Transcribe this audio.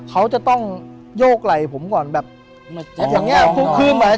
เขาจะต้องโยกไหล่ผมก่อนแบบอย่างเนี่ยคลื่นแบบนี้